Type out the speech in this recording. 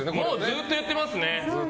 ずっとやってますね。